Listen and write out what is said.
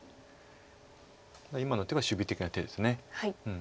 だから今の手は守備的な手です。